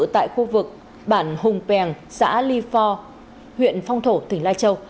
tại khu vực bản hùng pèng xã ly phò huyện phong thổ tỉnh lai châu